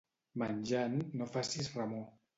Menjant no facis remor.